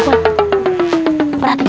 udah jalan dulu